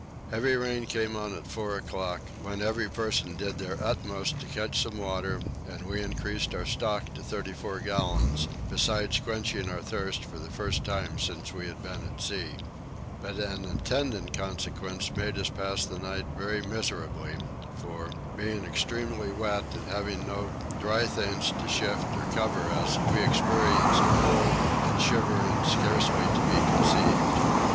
Heavy rain came on at four o'clock, when every person did their utmost to catch some water, and we increased our stock to 34 gallons, besides quenching our thirst for the first time since we had been at sea; but an attendant consequence made us pass the night very miserably for, being extremely wet and having no dry things to shift or cover us, we experienced cold and shiverings scarce to be conceived.